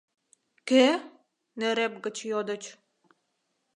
— Кӧ? — нӧреп гыч йодыч.